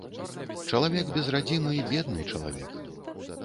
Чалавек без радзімы ‒ бедны чалавек